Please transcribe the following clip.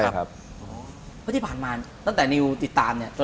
เพราะที่ผ่านมาตั้งแต่นิวติดตามเนี่ย